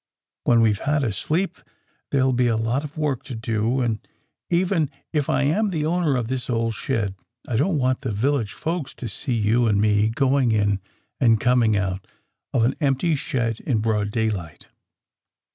When we've had a sleep there'll be a lot of work to do, and, even if I am the owner of this old shed I don't want the village folks to see you and me going in and coming out of an empty shed in broad daylight.